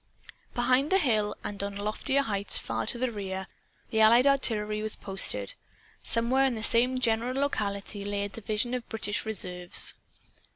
Behind the hill, and on loftier heights far to the rear, the Allied artillery was posted. Somewhere in the same general locality lay a division of British reserves.